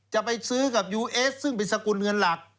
จะไปซื้อกับยูเอสซึ่งเป็นสกุลเงินหลัก